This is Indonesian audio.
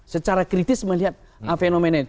secara kritis melihat fenomena